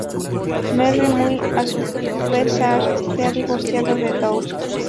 Merry, muy a su pesar, se ha divorciado de Doug.